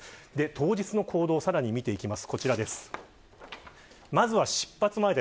当日の行動をさらに見ていきます。